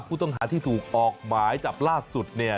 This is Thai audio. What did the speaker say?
ผู้ต้องหาที่ถูกออกหมายจับล่าสุดเนี่ย